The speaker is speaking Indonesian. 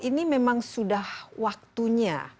ini memang sudah waktunya